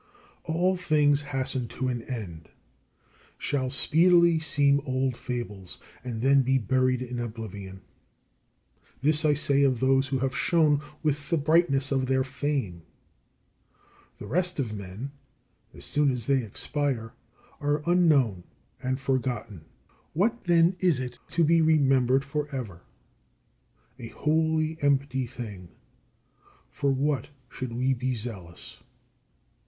All things hasten to an end, shall speedily seem old fables, and then be buried in oblivion. This I say of those who have shone with the brightness of their fame. The rest of men, as soon as they expire, are unknown and forgotten. What, then, is it to be remembered for ever? A wholly empty thing. For what should we be zealous?